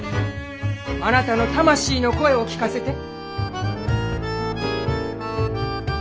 あなたの魂の声を聞かせて。